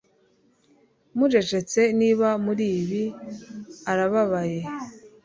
Mucecetse niba muri ibi arababaye